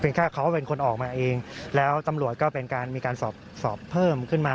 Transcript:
แค่เขาเป็นคนออกมาเองแล้วตำรวจก็เป็นการมีการสอบสอบเพิ่มขึ้นมา